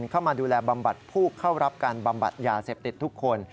เข้ามาดูแลบำบัดผู้เข้ารับการบำบัดยาเสพติดทุกคน